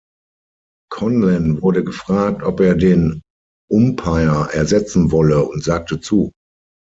Conlan wurde gefragt, ob er den Umpire ersetzen wolle, und sagte zu.